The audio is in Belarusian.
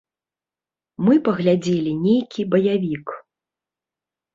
Мы паглядзелі нейкі баявік.